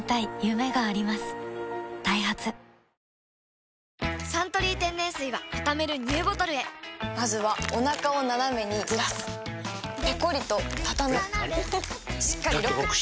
ダイハツ「サントリー天然水」はたためるＮＥＷボトルへまずはおなかをナナメにずらすペコリ！とたたむしっかりロック！